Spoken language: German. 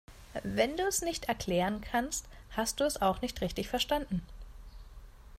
Wenn du es nicht erklären kannst, hast du es auch nicht richtig verstanden.